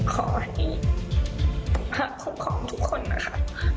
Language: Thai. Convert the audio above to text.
ขอให้มาคุ้มของทุกคนนะคะ